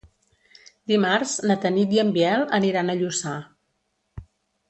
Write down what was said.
Dimarts na Tanit i en Biel aniran a Lluçà.